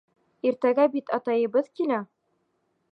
Иртәгә бит атайыбыҙ килә!